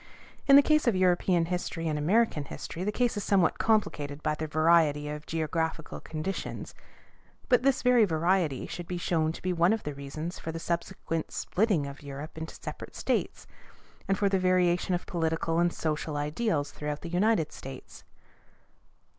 In the case of European history and American history the case is somewhat complicated by the variety of geographical conditions; but this very variety should be shown to be one of the reasons for the subsequent splitting of Europe into separate states, and for the variation of political and social ideals throughout the United States.